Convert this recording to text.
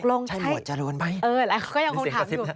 ตกลงไหมความหมดจรวนไหมอะไรอยู่นี่ก็ยังคงถามอยู่